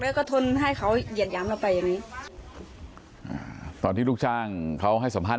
แล้วก็ทนให้เขาเยียดย้ำเราไปอย่างงี้ตอนที่ลูกช่างเขาให้สัมภัษณ์